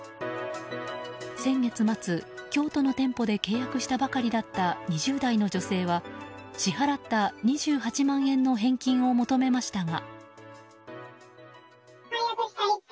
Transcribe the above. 先月末、京都の店舗で契約したばかりだった２０代の女性は支払った２８万円の返金を求めましたが。